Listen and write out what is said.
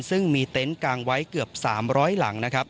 ซึ่งมีเต็นต์กางไว้เกือบ๓๐๐หลังนะครับ